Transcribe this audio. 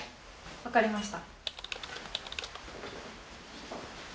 分かりました。